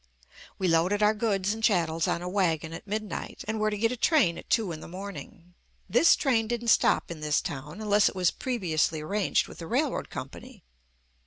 We loaded our goods and chattels on a wagon at midnight and were to get a train at two in the morning. This train didn't stop in this town unless it was previously arranged with the railroad company.